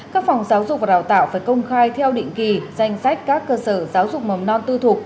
các phòng giáo dục và đào tạo phải công khai theo định kỳ danh sách các cơ sở giáo dục mầm non tư thục